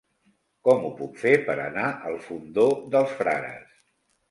Com ho puc fer per anar al Fondó dels Frares?